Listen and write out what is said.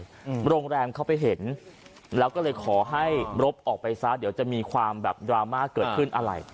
อืมโรงแรมเขาไปเห็นแล้วก็เลยขอให้รบออกไปซะเดี๋ยวจะมีความแบบดราม่าเกิดขึ้นอะไร